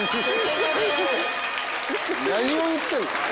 何を言ってんの？